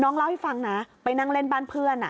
เล่าให้ฟังนะไปนั่งเล่นบ้านเพื่อน